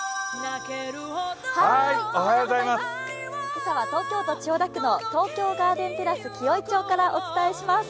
今朝は東京都千代田区の東京ガーデンテラス紀尾井町からお伝えします。